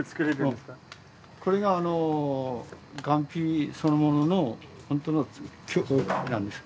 これが雁皮そのものの本当の紙なんです。